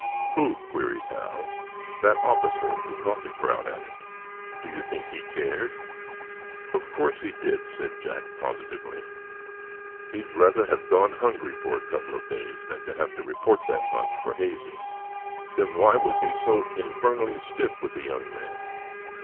"Who?" queried Hal. "That officer who caught the crowd at it." "Do you think he cared?" "Of course he did," said Jack, positively. "He'd rather have gone hungry for a couple of days than have to report that bunch for hazing." "Then why was he so infernally stiff with the young men?"